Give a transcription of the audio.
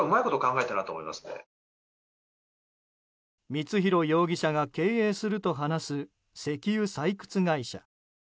光弘容疑者が経営すると話す石油採掘会社。